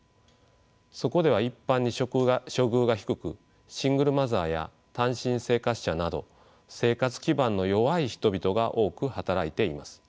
そこでは一般に処遇が低くシングルマザーや単身生活者など生活基盤の弱い人々が多く働いています。